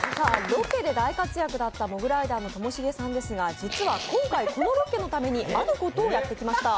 ロケで大活躍だったモグライダーのともしげさんですが実は今回このロケのためにあることをやってきました。